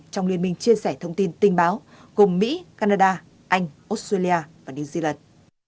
trong liên minh chia sẻ thông tin tinh báo cùng mỹ canada anh australia và new zealand